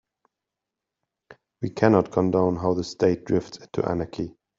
We cannot condone how the state drifts into anarchy.